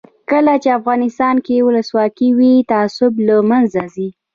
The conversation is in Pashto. کله چې افغانستان کې ولسواکي وي تعصب له منځه ځي.